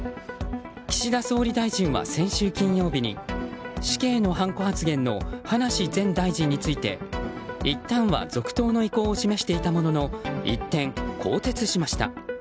岸田総理大臣は先週金曜日に死刑のはんこ発言の葉梨前大臣についていったんは続投の意向を示していたものの一転、更迭しました。